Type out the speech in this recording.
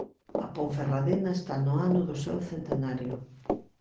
A Ponferradina está no ano do seu centenario.